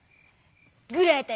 グレーテル